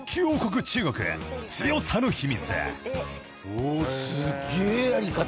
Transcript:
おすげえやり方。